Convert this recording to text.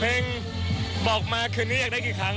หนึ่งบอกมาคืนนี้อยากได้กี่ครั้ง